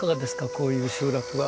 こういう集落は。